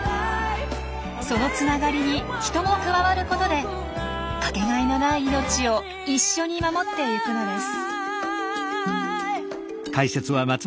そのつながりに人も加わることで掛けがえのない命を一緒に守ってゆくのです。